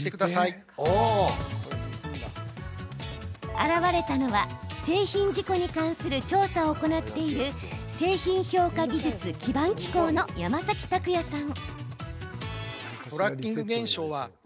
現れたのは、製品事故に関する調査を行っている製品評価技術基盤機構の山崎卓矢さん。